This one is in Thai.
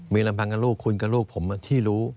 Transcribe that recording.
มีลำพังกับลูกคุณกับลูกผมที่รู้